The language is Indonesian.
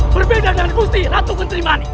berbeda dengan gusti ratu kenterimani